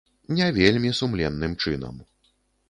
Не вельмі сумленным чынам.